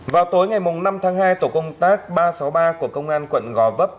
vào tối ngày năm tháng hai tổ công tác ba trăm sáu mươi ba của công an quận gò vấp